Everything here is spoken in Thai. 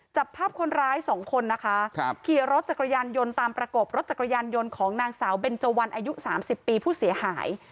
จับภาพคนร้ายสองคนนะคะขี่รถจักรยานยนต์ตามประกบรถจักรยานยนต์ของนางสาวเบนเจวันอายุ๓๐ปีผู้เสียหาย